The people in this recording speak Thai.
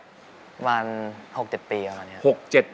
ประมาณ๖๗ปีประมาณนี้